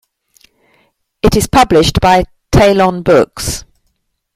It is published by TalonBooks.